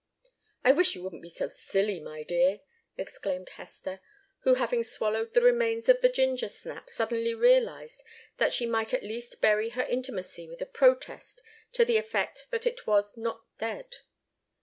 "I wish you wouldn't be so silly, my dear!" exclaimed Hester, who, having swallowed the remains of the ginger snap, suddenly realized that she might at least bury her intimacy with a protest to the effect that it was not dead.